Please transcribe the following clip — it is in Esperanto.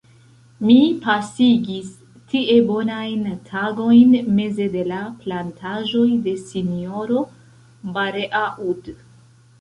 Mi pasigis tie bonajn tagojn meze de la plantaĵoj de S-ro Bareaud.